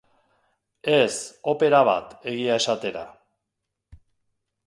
Ez, opera bat, egia esatera.